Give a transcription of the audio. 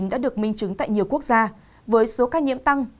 đã được minh chứng tại nhiều quốc gia với số ca nhiễm tăng